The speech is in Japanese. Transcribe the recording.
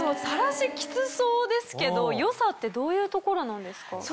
さらしキツそうですけど良さってどういうところなんですか？